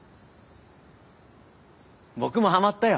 僕もハマったよ。